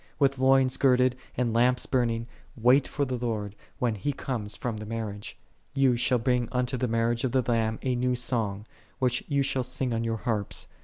With loins girded, and lamps burning, wait for the Lord, when He cometh from the mar riage.6 Ye shall bring unto the marriage of the Lamb a new sohg, which ye shall sing on your harps.